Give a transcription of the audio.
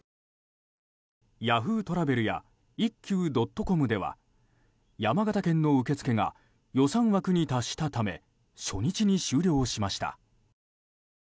Ｙａｈｏｏ！トラベルや一休．ｃｏｍでは山形県の受け付けが予算枠に達したため初日に終了しました。